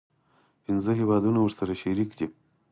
پنځه هیوادونه ورسره شریک دي.